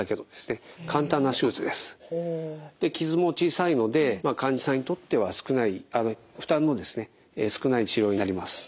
で傷も小さいので患者さんにとっては少ない負担の少ない治療になります。